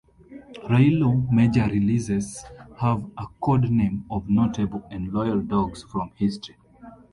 Railo major releases have a codename of notable and loyal dogs from history.